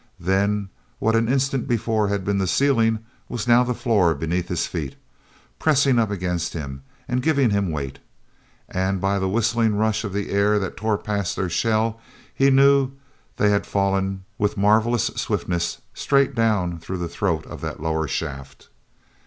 Then, what an instant before had been the ceiling was now a floor beneath his feet, pressing up against him and giving him weight—and by the whistling rush of the air that tore past their shell he knew they had fallen with marvelous swiftness straight down through the throat of that lower shaft.